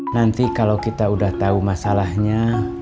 nanti kalau kita udah tahu masalahnya